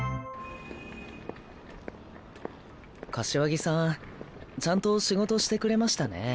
柏木さんちゃんと仕事してくれましたね。